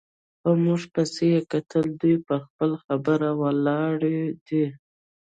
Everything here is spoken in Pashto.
په موږ پسې یې کتل، دوی پر خپله خبره ولاړې دي.